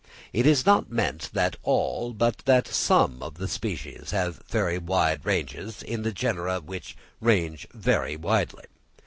It is not meant that all, but that some of the species have very wide ranges in the genera which range very widely.